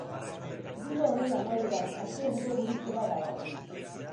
Bide honen amaieran, azken bidegurutze bat dago.